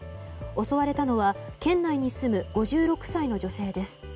襲われたのは県内に住む５６歳の女性です。